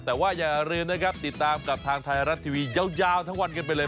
แต่ว่าอย่าลืมนะครับติดตามกับทางไทยรัฐทีวียาวทั้งวันกันไปเลย